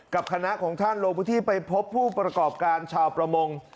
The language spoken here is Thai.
กับคณะของท่านลงพื้นที่ไปพบผู้ประกอบการชาวประมง